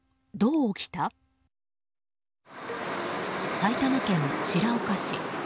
埼玉県白岡市。